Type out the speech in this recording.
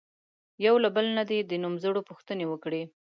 یو له بله نه دې د نومځرو پوښتنې وکړي.